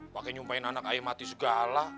pak haji nyumpain anak ayah mati segala